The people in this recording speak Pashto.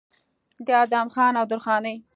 د ادم خان او درخانۍ